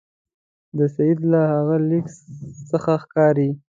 د سید له هغه لیک څخه ښکاري.